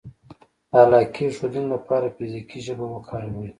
-د علاقې ښودنې لپاره فزیکي ژبه وکاروئ